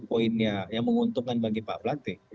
itu poin menarik dan poin yang menguntungkan bagi pak platte